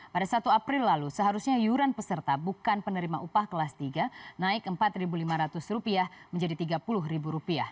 pada satu april lalu seharusnya yuran peserta bukan penerima upah kelas tiga naik rp empat lima ratus menjadi rp tiga puluh